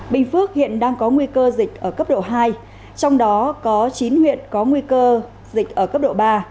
bình phước hiện đang có nguy cơ dịch ở cấp độ hai trong đó có chín huyện có nguy cơ dịch ở cấp độ ba